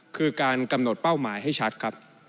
คือการกำหนดเป้าหมายให้ชัดครับ